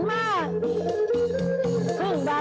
พร้อมรับแม่ฟ้าสวดน้องถวายได้องค์มหาเทศ